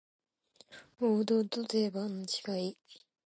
王道と定番の違い